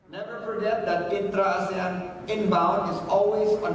kita telah berkolaborasi